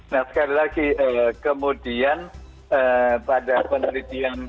nah sekali lagi kemudian pada penelitian